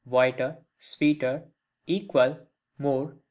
whiter, sweeter, equal, more, &c.